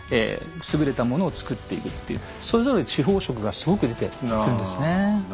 優れたものを作っていくっていうそれぞれ地方色がすごく出てくるんですね。